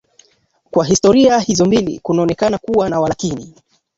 Kwa historia hizo mbili kunaonekana kuwa na walakini